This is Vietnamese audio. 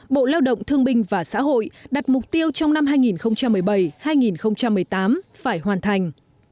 bộ lao động thương binh và xã hội đặt mục tiêu trong năm hai nghìn một mươi bảy hai nghìn một mươi tám phải hoàn thành